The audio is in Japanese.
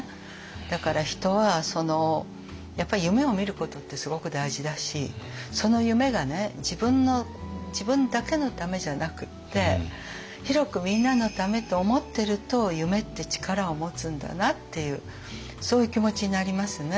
だから人はやっぱり夢をみることってすごく大事だしその夢がね自分の自分だけのためじゃなくって広くみんなのためと思ってると夢って力を持つんだなっていうそういう気持ちになりますね。